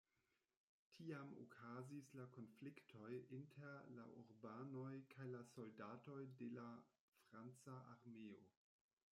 Tiam okazis la konfliktoj inter la urbanoj kaj la soldatoj de la franca armeo.